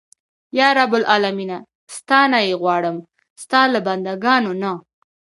یا رب العالمینه ستا نه یې غواړم ستا له بنده ګانو نه.